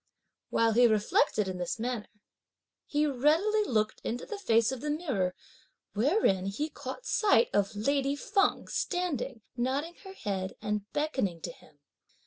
While he reflected in this manner, he readily looked into the face of the mirror, wherein he caught sight of lady Feng standing, nodding her head and beckoning to him.